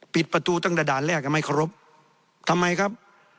ปิดประตูตั้งแต่ด่านแรกยังไม่เคารพทำไมครับ